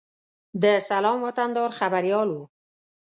د سلام وطندار خبریال و.